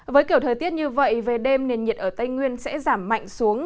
với kiểu thời tiết như vậy về đêm nền nhiệt ở tây nguyên sẽ giảm mạnh xuống